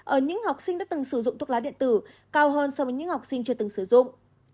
ở những học sinh đã từng sử dụng thuốc lá điện tử cao hơn so với những học sinh chưa từng sử dụng